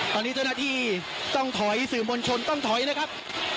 ตอนนี้เจ้าหน้าที่ต้องถอยสื่อมวลชนต้องถอยนะครับ